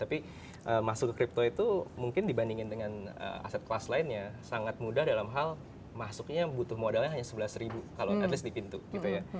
tapi masuk ke crypto itu mungkin dibandingin dengan aset kelas lainnya sangat mudah dalam hal masuknya butuh modalnya hanya sebelas ribu kalau at least di pintu gitu ya